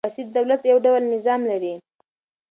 بسیط دولت يو ډول نظام لري.